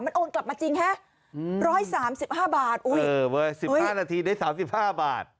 โอนกลับมาจริงฮะ๑๓๕บาท๑๕นาทีได้๓๕บาท